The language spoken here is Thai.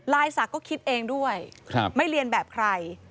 ศักดิ์ก็คิดเองด้วยไม่เรียนแบบใคร